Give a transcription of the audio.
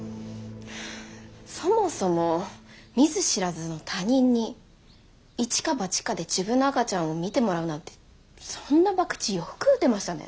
そもそも見ず知らずの他人にイチかバチかで自分の赤ちゃんを見てもらうなんてそんなばくちよく打てましたね。